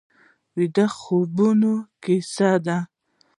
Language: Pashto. ویده خوبونه کیسې دي